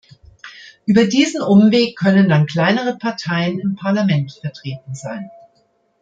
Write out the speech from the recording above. Über diesen Umweg können dann kleinere Parteien im Parlament vertreten sein.